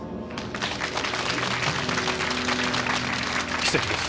奇跡です。